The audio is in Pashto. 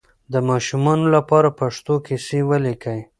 د ماشومانو لپاره پښتو کیسې ولیکئ.